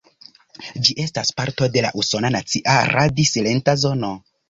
Ĝi estas parto de la Usona Nacia Radi-Silenta Zono.